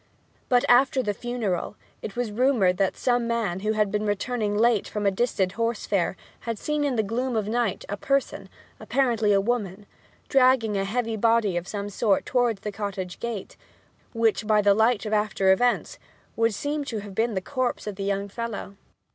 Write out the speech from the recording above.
But, after the funeral, it was rumoured that some man who had been returning late from a distant horse fair had seen in the gloom of night a person, apparently a woman, dragging a heavy body of some sort towards the cottage gate, which, by the light of after events, would seem to have been the corpse of the young fellow.